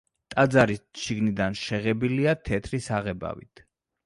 ტაძარი შიგნიდან შეღებილია თეთრი საღებავით.